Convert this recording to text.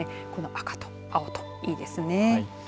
この赤と青がいいですね。